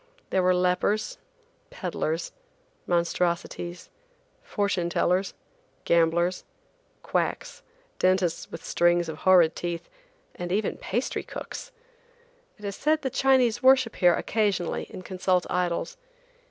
There were lepers, peddlers, monstrosities, fortune tellers, gamblers, quacks, dentists with strings of horrid teeth, and even pastry cooks! It is said the Chinese worship here occasionally and consult idols.